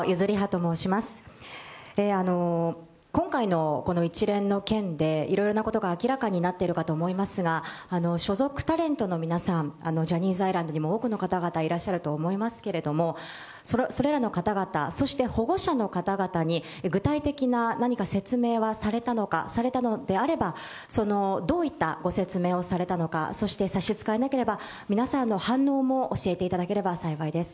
今回のこの一連の件で、いろいろなことが明らかになっているかと思いますが、所属タレントの皆さん、ジャニーズアイランドにも、多くの方々いらっしゃると思いますけれども、それらの方々、そして保護者の方々に、具体的な何か説明はされたのか、されたのであれば、どういったご説明をされたのか、そして差し支えなければ、皆さんの反応も教えていただければ幸いです。